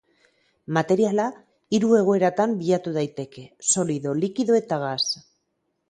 Materiala hiru egoeratan bilatu daiteke, solido, likido eta gas.